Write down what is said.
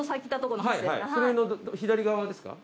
それの左側ですか？